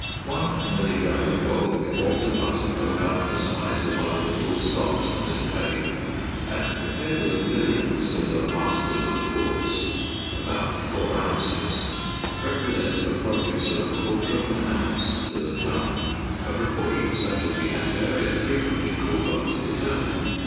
One milligram of gold forms a button of about the size of one of the full stops on this page, and compared with a million similar particles of quartz (about four ounces), represents a produce of a quarter of an ounce to the ton: a proportion such as the assayer is frequently called on to determine.